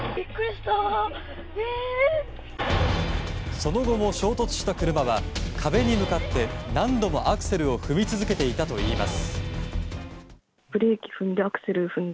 その後も衝突した車は壁に向かって何度もアクセルを踏み続けていたといいます。